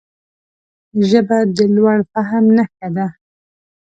ژبه د لوړ فهم نښه ده